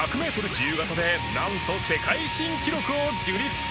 自由形でなんと世界新記録を樹立！